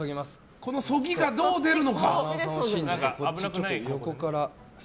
このそぎがどう出るのか。